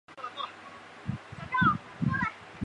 拜埃尔布伦是德国巴伐利亚州的一个市镇。